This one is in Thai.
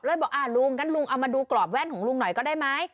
และบอกลงเอามาดูกรอบแว่นของลุงหน่อยก็ได้ไหม